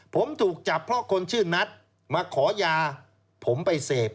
ผมถูกจับเพราะคนชื่อนัทมาขอยาผมไปเสพ